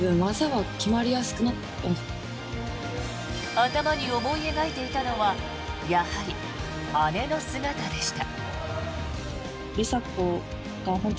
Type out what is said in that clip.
頭に思い描いていたのはやはり姉の姿でした。